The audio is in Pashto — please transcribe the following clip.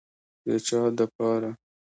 د چا دپاره.